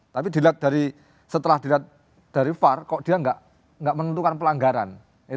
tapi dilihat dari setelah dari var kok dia tidak menentukan pelanggaran